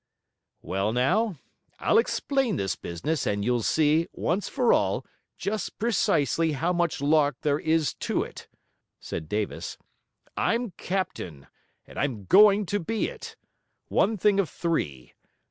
'Well, now, I'll explain this business, and you'll see (once for all) just precisely how much lark there is to it,' said Davis. 'I'm captain, and I'm going to be it. One thing of three.